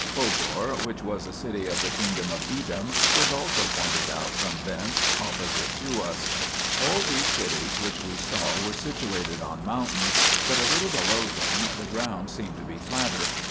Fogor, 2 which was a city of the kingdom of Edom, was also pointed out from thence, opposite to us. All these cities which we saw were situated on mountains, but a little below them the ground seemed to be flatter.